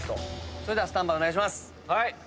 それではスタンバイお願いします。